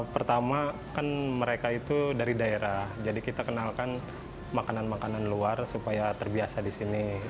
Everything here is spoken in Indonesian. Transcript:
pertama kan mereka itu dari daerah jadi kita kenalkan makanan makanan luar supaya terbiasa di sini